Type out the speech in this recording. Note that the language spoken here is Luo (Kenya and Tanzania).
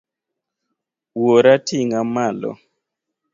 Wuora ting'a malo.